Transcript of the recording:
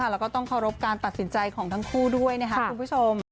แล้วก็ต้องเคารพการตัดสินใจของทั้งคู่ด้วยนะครับคุณผู้ชม